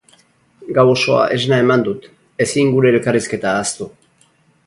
Gau osoa esna eman dut, ezin gure elkarrizketa ahaztu.